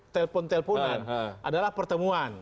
telepon teleponan adalah pertemuan